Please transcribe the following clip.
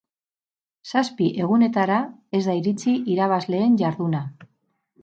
Zazpi egunetara ez da iritsi irabazleen jarduna.